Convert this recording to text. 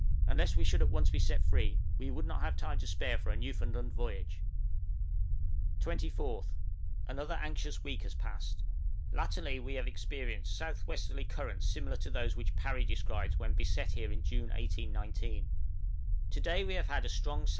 Unless we should be at once set free, we would not have time to spare for a Newfoundland voyage. {THE OCEAN SWELL.} {AN ICE TOURNAMENT.} 24th. Another anxious week has passed. Latterly we have experienced south westerly currents similar to those which Parry describes when beset here in June, 1819. To day we have had a strong S.E.